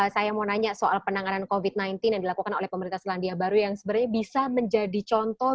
saya mau nanya soal penanganan covid sembilan belas yang dilakukan oleh pemerintah selandia baru yang sebenarnya bisa menjadi contoh